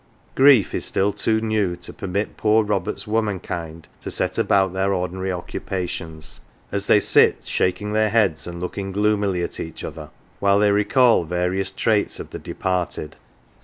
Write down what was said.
Grief is still too new to permit poor Ro bert's womankind to set about their ordinary occupations, as they sit shaking their heads and look ing gloomily at each other, while they re call various traits of the departed.